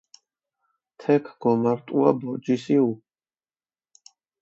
თექ გომარტუა ბორჯის იჸუ.